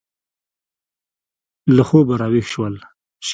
له خوبه را ویښ شول.